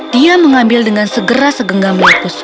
dia mengambil dengan segera segenggam waktu